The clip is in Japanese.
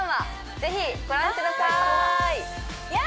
ぜひご覧くださーい！や！